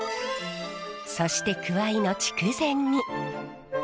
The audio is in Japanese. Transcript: そしてくわいの筑前煮。